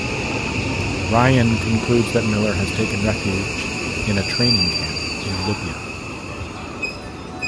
Ryan concludes that Miller has taken refuge in a training camp in Libya.